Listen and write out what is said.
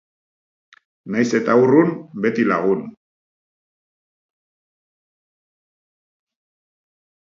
Nahiz eta urrun, beti lagun